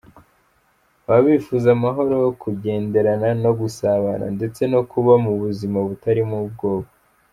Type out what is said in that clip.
Baba bifuza amahoro, kugenderana no gusabana ndetse no kuba mu buzima butarimo ubwoba.